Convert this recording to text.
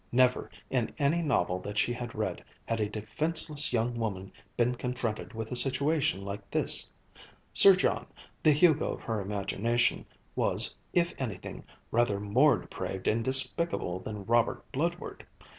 Never, in any novel that she had read, had a defenceless young woman been confronted with a situation like this. Sir John, the Hugo of her imagination, was, if anything, rather more depraved and despicable than Robert Bludward.